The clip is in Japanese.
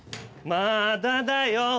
まあだだよ。